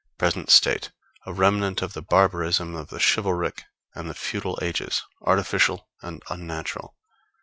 Present state, a remnant of the barbarism of the chivalric and the feudal ages artificial and unnatural.